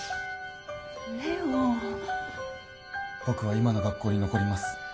僕は今の学校に残ります。